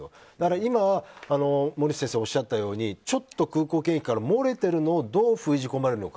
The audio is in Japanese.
今は森内先生がおっしゃったように空港検疫から漏れているのをどう封じ込めるか。